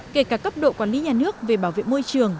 kể cả cấp độ quản lý nhà nước về bảo vệ môi trường